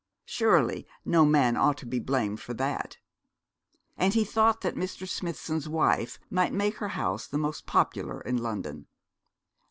Surely no man ought to be blamed for that. And he thought that Mr. Smithson's wife might make her house the most popular in London.